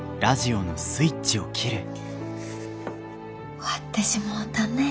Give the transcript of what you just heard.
終わってしもうたねえ。